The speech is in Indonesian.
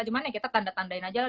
cuman ya kita tanda tandain aja lah